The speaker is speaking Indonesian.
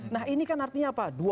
nah ini kan artinya apa